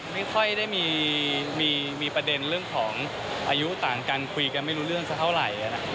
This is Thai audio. ไม่ค่อยได้มีประเด็นเรื่องของอายุต่างกันคุยกันไม่รู้เรื่องสักเท่าไหร่